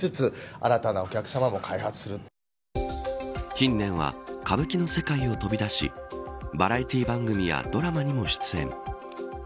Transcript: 近年は歌舞伎の世界を飛び出しバラエティー番組やドラマにも出演。